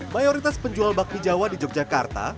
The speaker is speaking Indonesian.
mayoritas penjual bakmi jawa di yogyakarta